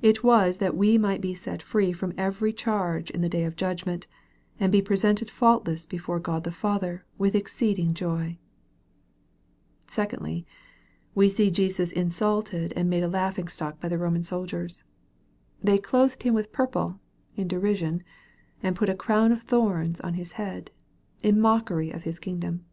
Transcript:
It was that we might be set free from every charge in the day of judgment, and be presented faultless before God the Father with exceeding joy. Secondly, we see Jesus insulted and made a laugh 342 EXPOSITORY THOUGHTS. ing stock by the Roman soldiers. They " clothed Him with purple" in derision, and put " a crown of thorns" on His head, in mockery of his kingdom.